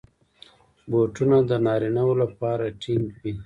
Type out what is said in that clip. بوټونه د نارینه وو لپاره ټینګ وي.